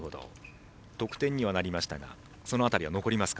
得点にはなりましたがその辺りは残りますか？